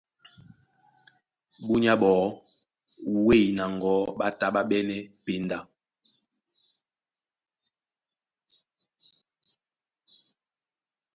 Búnyá ɓɔɔ́ wêy na ŋgɔ̌ ɓá tá ɓá ɓɛ́nɛ́ penda.